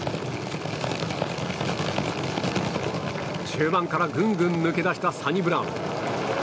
中盤から、ぐんぐん抜け出したサニブラウン。